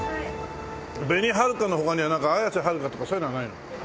紅はるかの他にはなんか綾瀬はるかとかそういうのはないの？